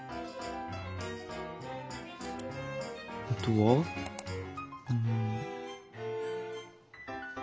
あとはん。